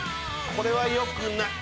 これはよくない。